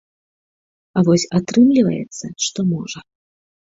А вось атрымліваецца, што можа.